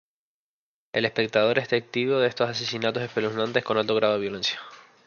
El espectador es testigo de estos asesinatos espeluznantes con alto grado de violencia.